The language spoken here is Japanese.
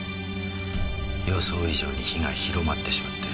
予想以上に火が広まってしまって。